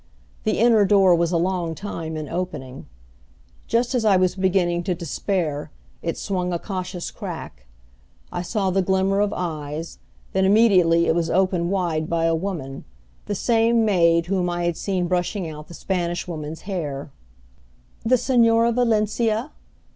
The inner door was a long time in opening. Just as I was beginning to despair it swung a cautious crack. I saw the glimmer of eyes, then immediately it was opened wide by a woman, the same maid whom I had seen brushing out the Spanish Woman's hair. "The Señora Valencia?"